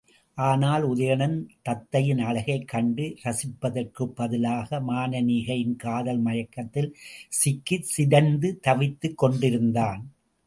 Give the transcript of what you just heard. ஆனால், உதயணன் தத்தையின் அழகைக் கண்டு இரசிப்பதற்குப் பதிலாக, மானனீகையின் காதல் மயக்கத்தில் சிக்கிச் சிதைந்து தவித்துக் கொண்டிருந்தான்.